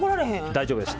大丈夫です。